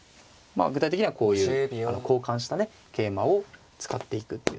具体的にはこういう交換したね桂馬を使っていくっていう手がね